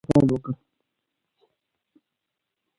هغوی له نن څخه پيل وکړ.